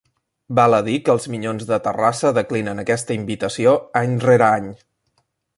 Val a dir que els Minyons de Terrassa declinen aquesta invitació any rere any.